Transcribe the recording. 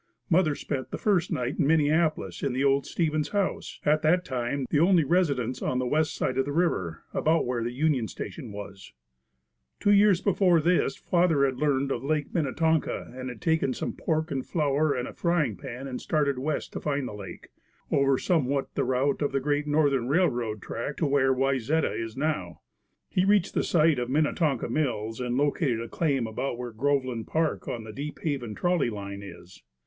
Mother spent the first night in Minneapolis in the old Stevens house, at that time the only residence on the west side of the river, about where the Union Station was. Two years before this father had learned of Lake Minnetonka and had taken some pork and flour and a frying pan and started west to find the lake, over somewhat the route of the Great Northern railroad track to where Wayzata now is. He reached the site of Minnetonka Mills and located a claim about where Groveland park on the Deephaven trolley line is.